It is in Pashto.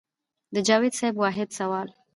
د جاوېد صېب واحد سوال